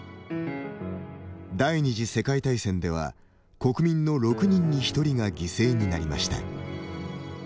第二次世界大戦では国民の６人に１人が犠牲になりました。